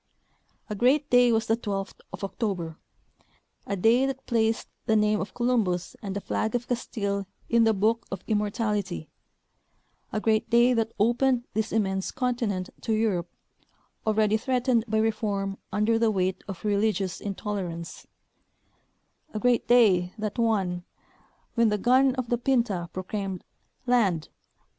A great day was the twelfth of October ; a day that placed the name of Columbus and the flag of Castile in the book of immor tality; a great day that opened this immense continent to Europe, already threatened by reform under the weight of relig ious intolerance ; a great day, that one, when the gun of the Pinta proclaiming Land